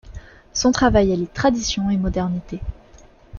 Son travail allie tradition et modernité.